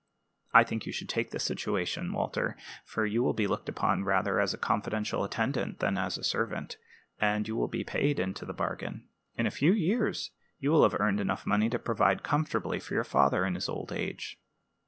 I think you should take the situation, Walter, for you will be looked upon rather as a confidential attendant than as a servant, and you will be well paid into the bargain. In a few years you will have earned money enough to provide comfortably for your father in his old age."